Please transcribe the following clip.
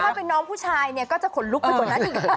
ถ้าเป็นน้องผู้ชายก็จะขนลุกไปต่อหน้าจริง